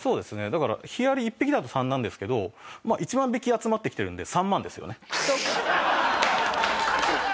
だからヒアリ１匹だと３なんですけど１万匹集まってきているので３万ですよね。